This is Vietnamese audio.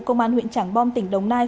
công an huyện trảng bom tỉnh đồng nai